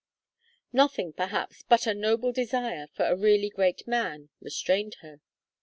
Nothing, perhaps, but a noble desire for a really great man restrained her.